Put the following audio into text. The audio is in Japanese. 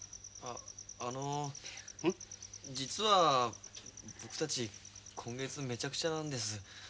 あの実は僕たち今月めちゃくちゃなんです。